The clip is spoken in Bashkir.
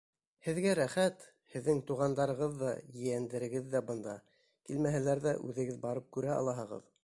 Һеҙгә рәхәт, һеҙҙең туғандарығыҙ ҙа, ейәндәрегеҙ ҙә бында, килмәһәләр ҙә, үҙегеҙ барып күрә алаһығыҙ.